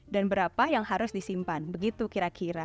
dan berapa yang harus disimpan begitu kira kira